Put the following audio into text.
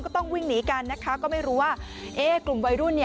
ต้องวิ่งหนีกันนะคะก็ไม่รู้ว่ากลุ่มวัยรุ่น